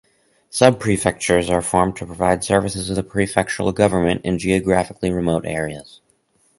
Subprefectures are formed to provide services of the prefectural government in geographically remote areas.